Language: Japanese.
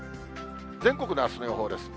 全国のあすの予報です。